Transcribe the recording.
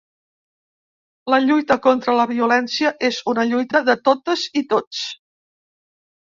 La lluita contra la violència és una lluita de totes i tots.